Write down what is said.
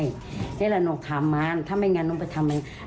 นี่แหละหนูทำมาถ้าไม่งั้นหนูไปทำไม่งั้น